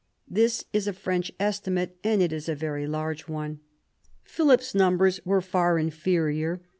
This is a French estimate, and it is a very large one. Philip's numbers were far inferior.